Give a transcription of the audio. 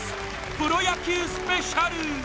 プロ野球スペシャル